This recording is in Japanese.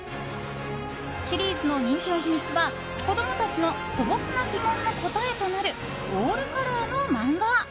シリーズの人気の秘密は子供たちの素朴な疑問の答えとなるオールカラーの漫画。